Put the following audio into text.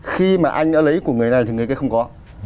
khi mà anh đã lấy của người này thì người kia không có